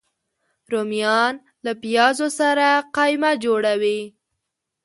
رومیان له پیازو سره قیمه جوړه وي